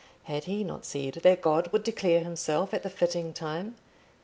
Had he not said that God would declare himself at the fitting time?